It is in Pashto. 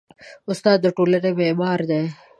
استاد د ټولنې معمار دی.